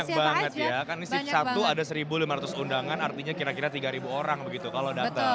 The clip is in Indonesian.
karena banyak banget ya kan ini sip satu ada satu lima ratus undangan artinya kira kira tiga orang begitu kalau datang